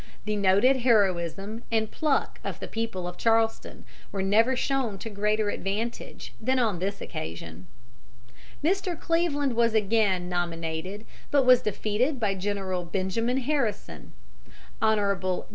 The noted heroism and pluck of the people of Charleston were never shown to greater advantage than on this occasion. Mr. Cleveland was again nominated, but was defeated by General Benjamin Harrison. Hon.